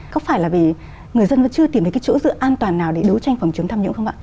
có phải là vì người dân vẫn chưa tìm thấy cái chỗ dựa an toàn nào để đấu tranh phòng chống tham nhũng không ạ